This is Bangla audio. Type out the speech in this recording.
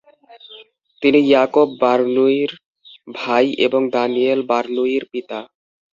তিনি ইয়াকপ বার্নুয়ির ভাই এবং দানিয়েল বার্নুয়ির পিতা।